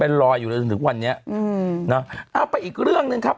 ลอยอยู่เลยจนถึงวันนี้อืมนะเอาไปอีกเรื่องหนึ่งครับ